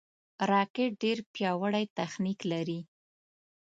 راکټ ډېر پیاوړی تخنیک لري